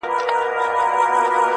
لکه نغمه لکه سيتار خبري ډيري ښې دي.